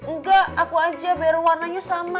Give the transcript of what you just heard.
enggak aku aja biar warnanya sama